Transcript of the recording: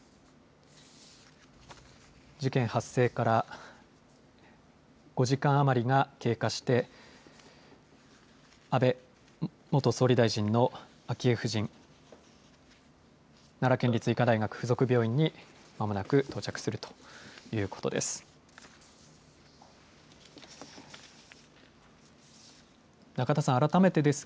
事件発生から５時間余りが経過して、安倍元総理大臣の昭恵夫人、奈良県立医科大学附属病院にまもなく到着するということです。